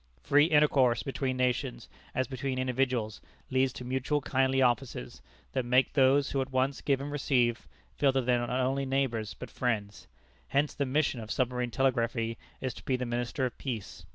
Free intercourse between nations, as between individuals, leads to mutual kindly offices, that make those who at once give and receive, feel that they are not only neighbors but friends. Hence the "mission" of submarine telegraphy is to be the minister of peace.